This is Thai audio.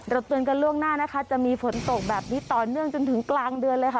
เตือนกันล่วงหน้านะคะจะมีฝนตกแบบนี้ต่อเนื่องจนถึงกลางเดือนเลยค่ะ